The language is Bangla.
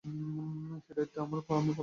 সে দায়িত্ব আমি পালন করেছি।